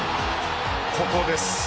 ここです。